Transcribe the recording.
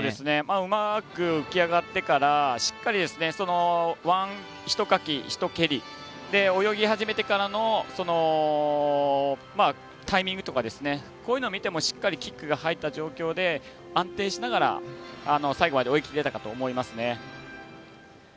うまく浮き上がってからしっかりひとかき、ひと蹴りで泳ぎ始めてからのタイミングとかこういうのを見てもしっかりキックが入った状況で安定しながら最後まで泳ぎきれたと思いますね。